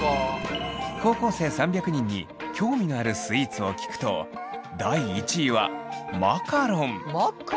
高校生３００人に興味のあるスイーツを聞くと第１位はマカロン！